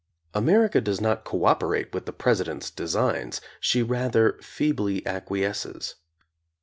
America does not cooperate with the President's designs. She rather feebly acquiesces.